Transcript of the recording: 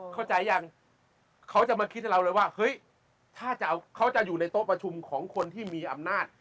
เข้าใจยังเขาจะมาคิดให้เราเลยว่าเฮ้ยถ้าจะเอาเขาจะอยู่ในโต๊ะประชุมของคนที่มีอำนาจ